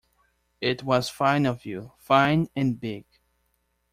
It was fine of you — fine and big.